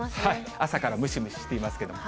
朝からムシムシしていますけれども。